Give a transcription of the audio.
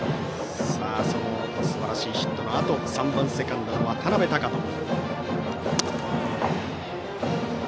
すばらしいヒットのあと３番セカンドの渡邊升翔。